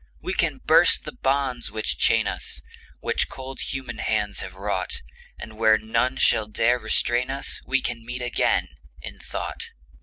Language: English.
We can burst the bonds which chain us, Which cold human hands have wrought, And where none shall dare restrain us We can meet again, in thought.